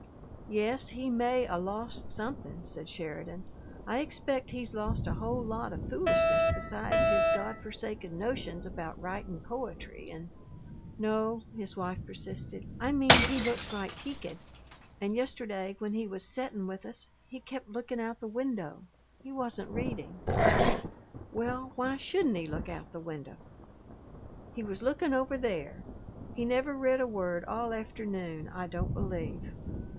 "Yes, he may 'a' lost something," said Sheridan. "I expect he's lost a whole lot o' foolishness besides his God forsaken notions about writin' poetry and " "No," his wife persisted. "I mean he looks right peakid. And yesterday, when he was settin' with us, he kept lookin' out the window. He wasn't readin'." "Well, why shouldn't he look out the window?" "He was lookin' over there. He never read a word all afternoon, I don't believe."